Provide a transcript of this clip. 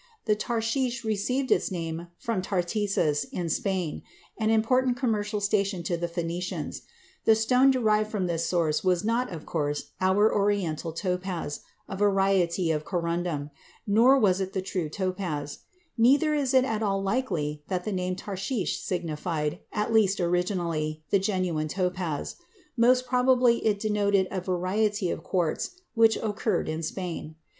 The tarshish received its name from Tartessus, in Spain, an important commercial station of the Phœnicians. The stone derived from this source was not, of course, our Oriental topaz, a variety of corundum, nor was it the true topaz; neither is it at all likely that the name tarshish signified, at least originally, the genuine topaz; most probably it denoted a variety of quartz which occurs in Spain.